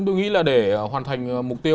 tôi nghĩ là để hoàn thành mục tiêu